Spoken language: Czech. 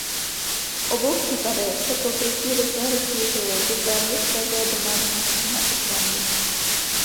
V obou případech se pokrytí rychle rozšířilo do téměř každé domácnosti na Islandu.